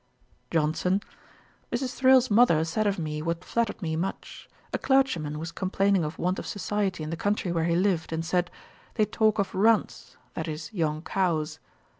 JOHNSON. 'Mrs. Thrale's mother said of me what flattered me much. A clergyman was complaining of want of society in the country where he lived; and said, "They talk of runts;" (that is, young cows).